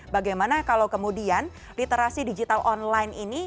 bagaimana kalau kemudian literasi digital online ini